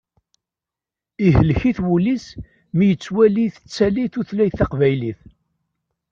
Ihlek-it wul-is mi yettwali tettali tutlayt taqbaylit.